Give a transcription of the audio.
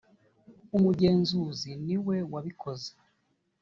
umugenzuzi niwe wabikoze.